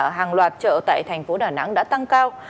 hàng loạt chợ tại thành phố đà nẵng đã tăng cao